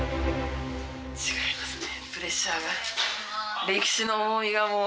違いますね、プレッシャーが。